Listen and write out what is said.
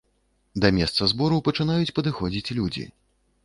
Да месца збору пачынаюць падыходзіць людзі.